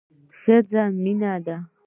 ښځه مينه ده